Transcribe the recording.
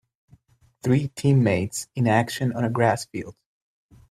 Three teammates in action on a grass field.